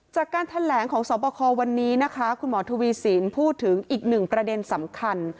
จากการแถลงของสวบควันนี้นะคะคุณหมอทวีสินพูดถึงอีกหนึ่งประเด็นสำคัญ